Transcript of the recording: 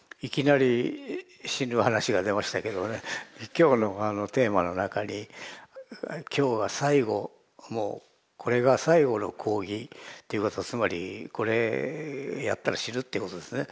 今日のテーマの中に今日が最後もうこれが最後の講義っていうことはつまりこれやったら死ぬっていうことですね。